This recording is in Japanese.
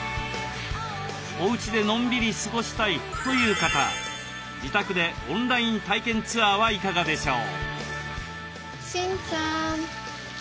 おうちでのんびり過ごしたいという方自宅でオンライン体験ツアーはいかがでしょう？